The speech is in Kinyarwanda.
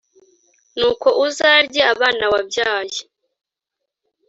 nuko uzarye abana wabyaye,